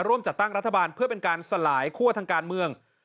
ร่วมจัดตั้งรัฐบาลเพื่อเป็นการสลายคั่วทางการเมือง